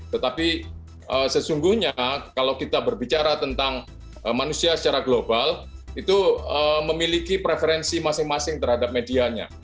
tetapi sesungguhnya kalau kita berbicara tentang manusia secara global itu memiliki preferensi masing masing terhadap medianya